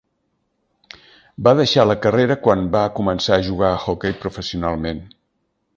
Va deixar la carrera quan va començar a jugar a hoquei professionalment.